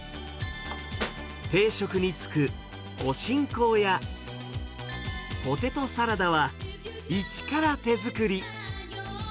定食につくお新香やポテトサラダは、一から手作り。